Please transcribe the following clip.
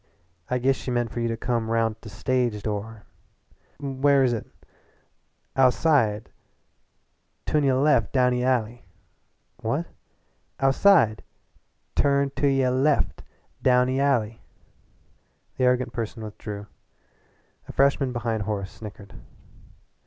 "I giss she meant for you to come roun' t' the stage door." "Where where is it?" "Ou'side. Tunayulef. Down ee alley." "What?" "Ou'side. Turn to y' left! Down ee alley!" The arrogant person withdrew. A freshman behind Horace snickered.